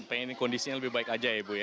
pengen kondisinya lebih baik aja ya ibu ya